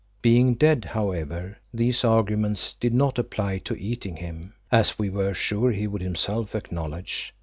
Being dead, however, these arguments did not apply to eating him, as we were sure he would himself acknowledge.